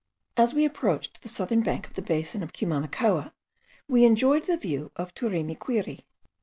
As we approached the southern bank of the basin of Cumanacoa, we enjoyed the view of the Turimiquiri.